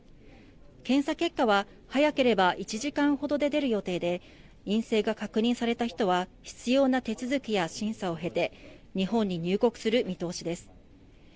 検査結果は、早ければ１時間ほどで出る予定で陰性が確認された人は必要な手続きや審査を経て日本に入国する見通しです。